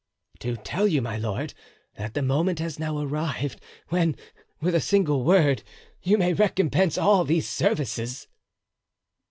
"To tell you, my lord, that the moment has now arrived when, with a single word, you may recompense all these services."